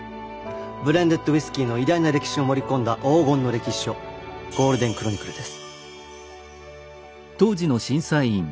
ブレンデッドウイスキーの偉大な歴史を盛り込んだ黄金の歴史書ゴールデンクロニクルです。